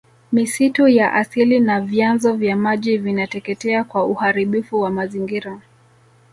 misitu ya asili na vyanzo vya maji vinateketea kwa uharibifu wa mazingira